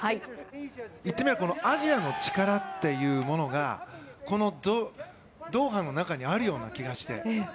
言ってみればアジアの力っていうものがこのドーハの中にあるような気がして。